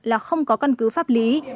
là không có căn cứ pháp lý